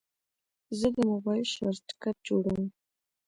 زه د موبایل شارټکټ جوړوم.